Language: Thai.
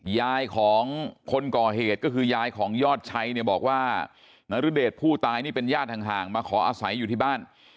ยายของคนก่อเหตุก็คือยายของยอดชัยเนี่ยบอกว่านรุเดชผู้ตายนี่เป็นญาติห่างมาขออาศัยอยู่ที่บ้าน